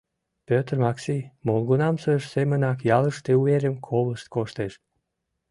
Петр Макси молгунамсыж семынак ялыште уверым колышт коштеш.